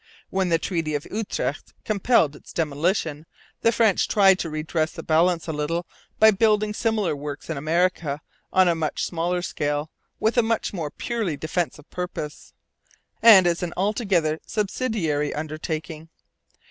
When the Treaty of Utrecht compelled its demolition, the French tried to redress the balance a little by building similar works in America on a very much smaller scale, with a much more purely defensive purpose, and as an altogether subsidiary undertaking.